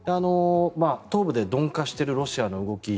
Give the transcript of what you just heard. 東部で鈍化しているロシアの動き